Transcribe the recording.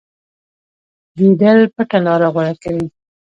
ګیدړ پټه لاره غوره کوي.